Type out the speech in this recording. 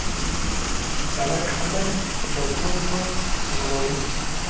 سړک خلک له ستونزو ژغوري.